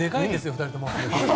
２人とも。